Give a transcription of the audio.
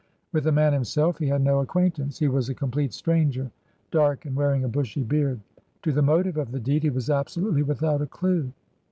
With the man himself he had no acquaintance. He was a complete stranger, dark, and wearing a bushy beard. To the motive of the deed he was absolutely without a clue.